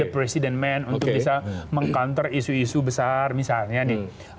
presiden men untuk bisa meng counter isu isu besar misalnya nih